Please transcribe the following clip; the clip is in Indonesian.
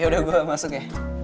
yaudah gue masuk ya